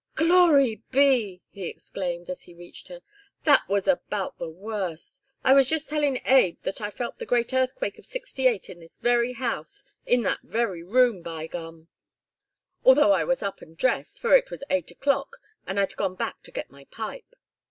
"Glory be!" he exclaimed, as he reached her. "That was about the worst! I was just tellin' Abe that I felt the great earthquake of '68 in this very house, in that very room, by gum, although I was up and dressed, for it was eight o'clock, and I'd gone back for my pipe.